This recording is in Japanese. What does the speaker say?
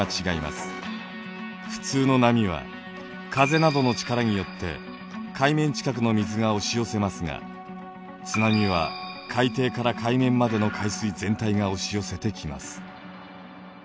普通の波は風などの力によって海面近くの水が押し寄せますが津波は海底から海面までの海水全体が押し寄せてきます。